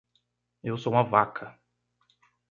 Eu sou uma vaca